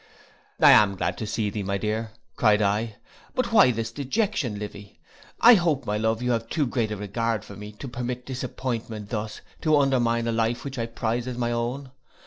'I am glad to see thee, my dear,' cried I; 'but why this dejection Livy? I hope, my love, you have too great a regard for me, to permit disappointment thus to undermine a life which I prize as my own.